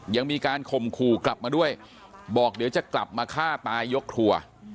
ยังมีการข่มขู่กลับมาด้วยบอกเดี๋ยวจะกลับมาฆ่าตายยกครัว